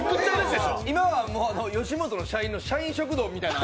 今は吉本の社員食堂みたいな。